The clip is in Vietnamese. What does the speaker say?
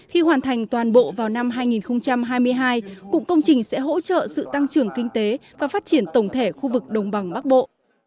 khi hoàn thành toàn bộ vào năm hai nghìn hai mươi hai cụm công trình sẽ hỗ trợ sự tăng trưởng kinh tế và phát triển tổng thể khu vực đồng bằng bắc bộ